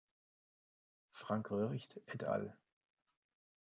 Frank Röhricht et al.